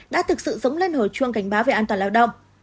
đã thực sự dống lên hồi chuông cảnh báo về an toàn lao động